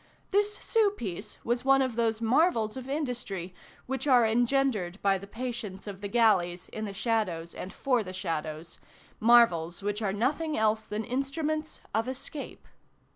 This sou piece was one of those marvels of industry, which are engendered by the patience of the galleys in the shadows and for the shadows, marvels which are nothing else than instruments of escape.